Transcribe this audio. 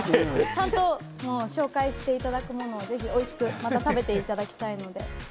ちゃんと紹介していただくものを、またおいしく食べていただきたいので。